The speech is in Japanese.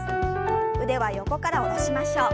腕は横から下ろしましょう。